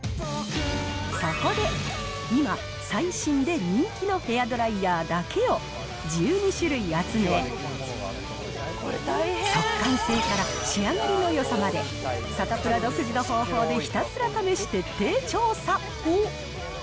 そこで、今、最新で人気のヘアドライヤーだけを１２種類集め、速乾性から仕上がりのよさまで、サタプラ独自の方法でひたすら試して徹底調査。